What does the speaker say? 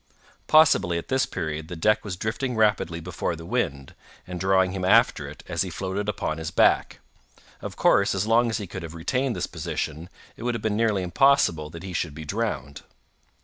Possibly, at this period the deck was drifting rapidly before the wind, and drawing him after it, as he floated upon his back. Of course, as long as he could have retained this position, it would have been nearly impossible that he should be drowned.